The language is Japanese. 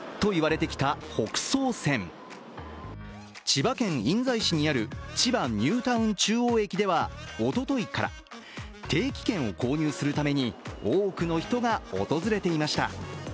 千葉県印西市にある、千葉ニュータウン中央駅ではおとといから定期券を購入するために多くの人が訪れていました。